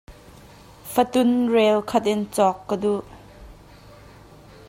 Fatun rel khat in cawk ka duh.